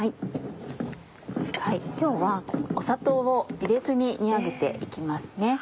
今日は砂糖を入れずに煮上げて行きます。